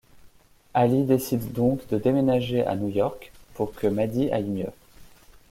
Ally décide donc de déménager à New-York pour que Maddie aille mieux.